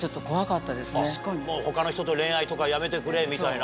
他の人と恋愛とかやめてくれみたいな？